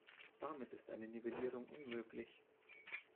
Damit ist eine Nivellierung unmöglich.